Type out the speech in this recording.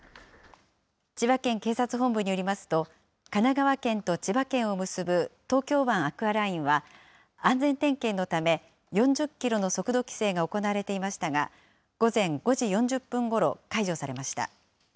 千葉県警察本部によりますと、神奈川県と千葉県を結ぶ東京湾アクアラインは、安全点検のため、４０キロの速度規制が行われていましたが、午前５時４０分ごろ、解除されました。